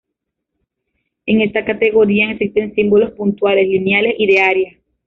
En esta categoría existen símbolos puntuales, lineales y de área.